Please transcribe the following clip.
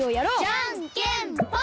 じゃんけんぽん！